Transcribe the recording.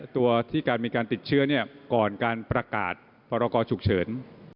ตัวที่การมีการติดเชื้อก่อนการประกาศพรกรฉุกเฉิน